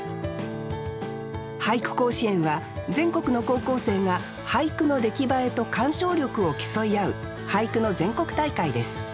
俳句甲子園は全国の高校生が俳句の出来栄えと鑑賞力を競い合う俳句の全国大会です。